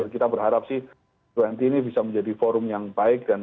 kita berharap sih dua puluh ini bisa menjadi forum yang baik